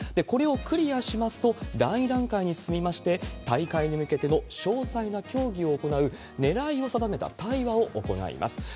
これをクリアしますと、第２段階に進みまして、大会に向けての詳細な協議を行う、狙いを定めた対話を行います。